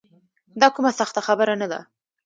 دا کومه سخته خبره نه ده.